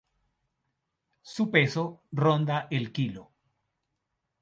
Su peso ronda el kilo.